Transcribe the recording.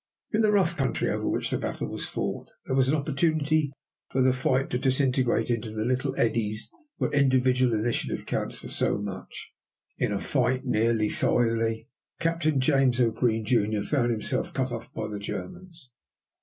] In the rough country over which the battle was fought there was opportunity for the fight to disintegrate into the little eddies where individual initiative counts for so much. In a fight near Le Thiolet, Captain James O. Green, Jr., found himself cut off by the Germans.